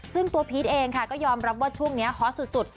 ซึ่งตัวพีชเองค่ะก็ยอมรับว่าช่วงนี้ฮอตสุด